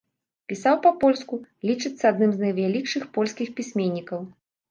Пісаў па-польску, лічыцца адным з найвялікшых польскіх пісьменнікаў.